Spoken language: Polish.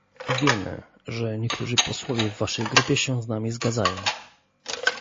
Wiemy, że niektórzy Posłowie w waszej grupie się z nami zgadzają